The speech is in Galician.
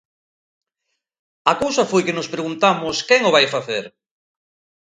A cousa foi que nos preguntamos quen o vai facer?